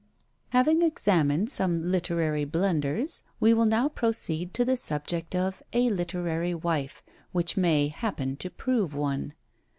Having examined some literary blunders, we will now proceed to the subject of a literary wife, which may happen to prove one.